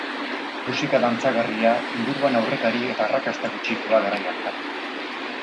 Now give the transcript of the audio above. Musika dantzagarria, inguruan aurrekari eta arrakasta gutxikoa garai hartan.